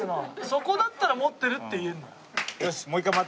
そこだったら持ってるって言えるのよ。